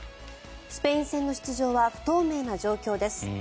スペイン戦の出場は不透明な状況です。